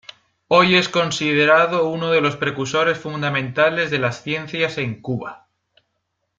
Hoy es considerado uno de los precursores fundamentales de las ciencias en Cuba.